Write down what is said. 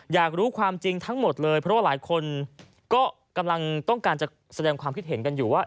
อยากรู้ความจริงทั้งหมดเลยเพราะว่าหลายคนก็กำลังต้องการจะแสดงความคิดเห็นกันอยู่ว่า